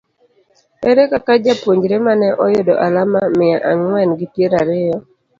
Ere kaka japuonjre ma ne oyudo alama miya ang'wen gi piero ariyo